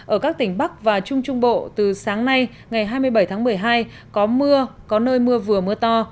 ở các tỉnh bắc và trung trung bộ từ sáng nay ngày hai mươi bảy tháng một mươi hai có mưa có nơi mưa vừa mưa to